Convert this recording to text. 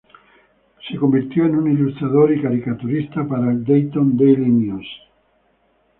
Él se convirtió en un ilustrador y caricaturista para el "Dayton Daily News".